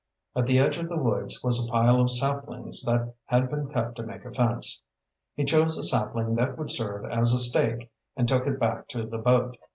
At the edge of the woods was a pile of saplings that had been cut to make a fence. He chose a sapling that would serve as a stake and took it back to the boat.